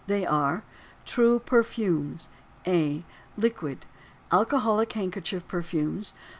They are: TRUE PERFUMES. A. Liquid.—Alcoholic handkerchief perfumes.